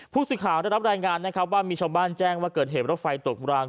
พูดสิทธิ์ข่าวได้รับรายงานว่ามีชาวบ้านแจ้งว่าเกิดเหตุรถไฟตกราง